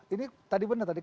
ini tadi benar tadi